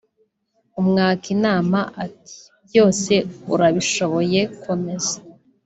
umwaka inama ati byose urabishoboye komeza